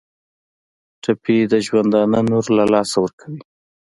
ټپي د ژوندانه نور له لاسه ورکوي.